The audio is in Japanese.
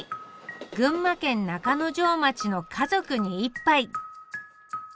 群馬県中之条町の「家族に一杯」